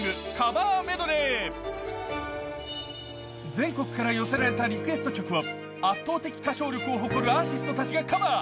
全国から寄せられたリクエスト曲を圧倒的歌唱力を誇るアーティストたちがカバー。